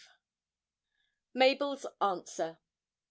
MABEL'S ANSWER.